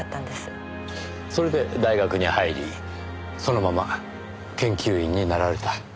それで大学に入りそのまま研究員になられた。